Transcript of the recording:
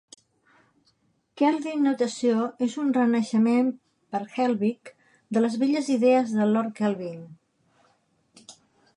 Kelvin notació és un renaixement per Helbig de les velles idees de Lord Kelvin.